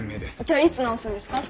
じゃあいつ直すんですか？